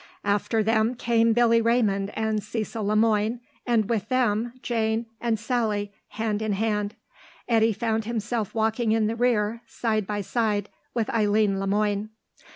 After them came Billy Raymond and Cecil Le Moine, and with them Jane and Sally hand in hand. Eddy found himself walking in the rear side by side with Eileen Le Moine.